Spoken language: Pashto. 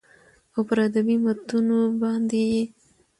او پر ادبي متونو باندې يې